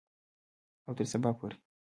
او تر سبا پورې.